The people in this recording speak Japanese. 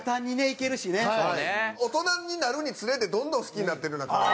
大人になるにつれてどんどん好きになっていくような感じ。